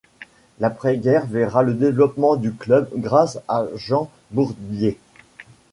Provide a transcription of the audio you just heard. L'après-guerre verra le développement du club grâce à Jean Bourdier.